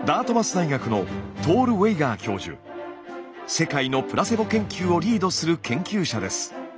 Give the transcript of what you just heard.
世界のプラセボ研究をリードする研究者です。